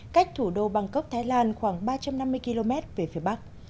cách thủ đô bangkok thái lan khoảng ba trăm năm mươi km về phía bắc